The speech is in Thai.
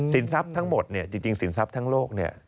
ทรัพย์ทั้งหมดเนี่ยจริงสินทรัพย์ทั้งโลกเนี่ย